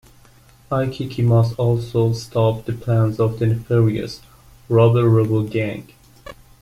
Ikki must also stop the plans of the nefarious "RubberRobo Gang".